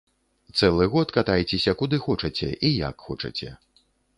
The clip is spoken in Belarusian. Цэлы год катайцеся куды хочаце і як хочаце.